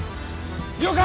了解！